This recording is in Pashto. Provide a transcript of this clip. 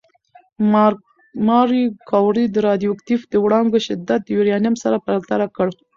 ماري کوري د راډیواکټیف وړانګو شدت د یورانیم سره پرتله کړ.